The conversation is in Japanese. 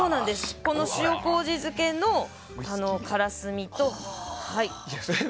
塩麹漬けのからすみと。